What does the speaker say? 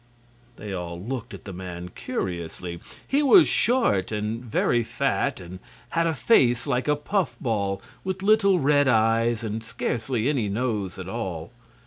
They all looked at the man curiously. He was short and very fat, and had a face like a puff ball, with little red eyes and scarcely any nose at all.